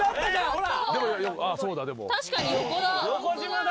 ほら！